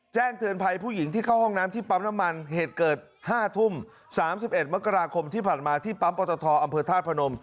แจ้งเตือนภัยผู้หญิงที่เข้าห้องน้ำที่ปั๊มน้ำมันเหตุเกิด๕ทุ่ม๓๑มกราคมที่ผ่านมาที่ปั๊มปตทอำเภอธาตุพนม